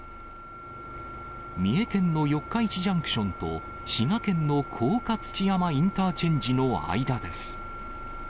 三重県の四日市ジャンクションと、滋賀県の甲賀土山インターチェンジの間です。